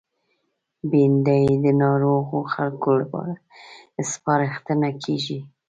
بېنډۍ د ناروغو خلکو لپاره سپارښتنه کېږي